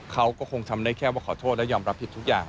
เขาก็คงทำได้แค่ว่าขอโทษและยอมรับผิดทุกอย่าง